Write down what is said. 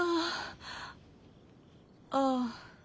ああ。